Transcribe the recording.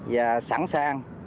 và sẵn sàng